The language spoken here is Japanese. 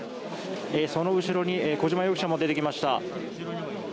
その後ろに小島容疑者も出てきました。